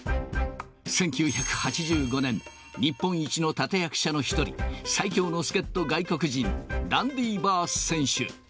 １９８５年、日本一の立て役者の一人、最強の助っと外国人、ランディ・バース選手。